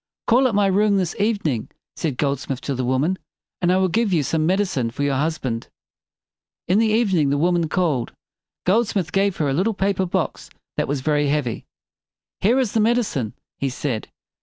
"Call at my room this evening," said Goldsmith to the woman, "and I will give you some med i cine for your husband." In the evening the woman called. Goldsmith gave her a little paper box that was very heavy. "Here is the med i cine," he said.